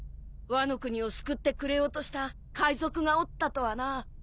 ワノ国を救ってくれようとした海賊がおったとはな。